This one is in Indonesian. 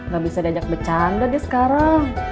gak bisa diajak bercanda dia sekarang